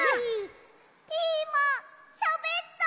ピーマンしゃべった！